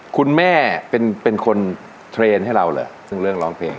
คุณแม่เป็นคนเทรนด์ให้เราเหรอซึ่งเรื่องร้องเพลง